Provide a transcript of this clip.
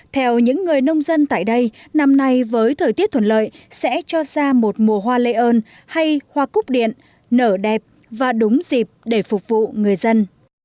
theo những người nông dân tại đây năm nay với thời tiết thuận lợi sẽ cho ra một mùa hoa lây ơn hay hoa cúc điện nở đẹp và đúng dịp để phục vụ người dân